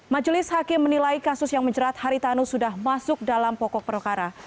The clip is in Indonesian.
majelis hakim menilai kasus yang menjerat haritanu sudah masuk dalam pokok perkara